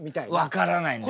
分からないんだよ